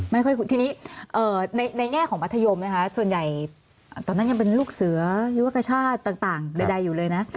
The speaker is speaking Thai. ทีนี้ในแง่ของมัธยมนะคะส่วนใหญ่ตอนนั้นยังเป็นลูกเสือยุวกชาติต่างใดอยู่เลยนะ